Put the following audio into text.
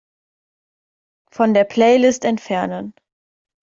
Von der Playlist entfernen.